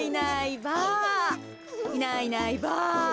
いないいないばあ。